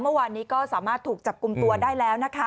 เมื่อวานนี้ก็สามารถถูกจับกลุ่มตัวได้แล้วนะคะ